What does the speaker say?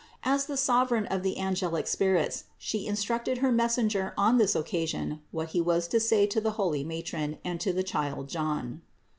As the Sovereign of the angelic spirits She instructed her messenger on this occasion what he was to say to the holy matron and to the child John.